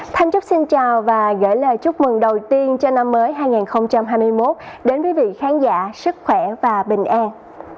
thanh chúc xin chào và gửi lời chúc mừng đầu tiên cho năm mới hai nghìn hai mươi một đến quý vị khán giả sức khỏe và bình an